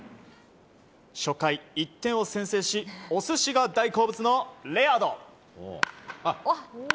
初回、１点を先制しお寿司が大好物のレアード。